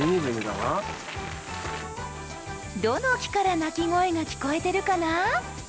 どの木から鳴き声が聞こえてるかな？